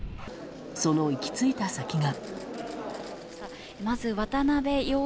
その行き着いた先が。